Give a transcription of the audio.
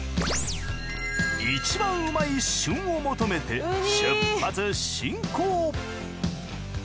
一番うまい旬を求めて出発進行！